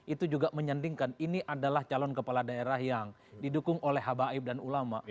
itu juga menyandingkan ini adalah calon kepala daerah yang didukung oleh habaib dan ulama